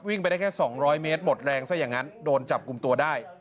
ไปได้แค่๒๐๐เมตรหมดแรงซะอย่างนั้นโดนจับกลุ่มตัวได้